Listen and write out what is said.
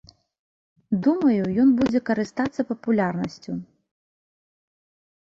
Думаю, ён будзе карыстацца папулярнасцю.